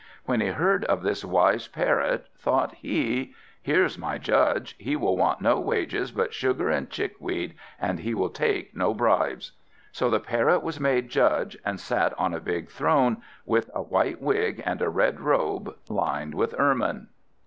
When he heard of this wise Parrot, thought he, "Here's my Judge; he will want no wages but sugar and chickweed, and he will take no bribes." So the Parrot was made Judge, and sat on a big throne, with a white wig and a red robe lined with ermine.